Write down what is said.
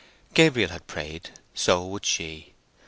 Gabriel had prayed; so would she.